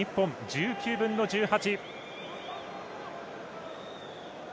１９分の１８。